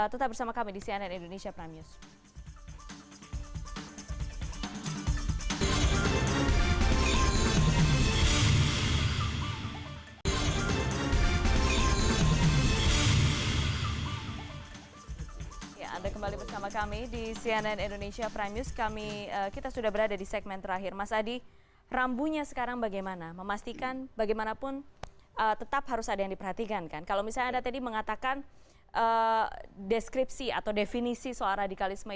tetap bersama kami di cnn indonesia prime news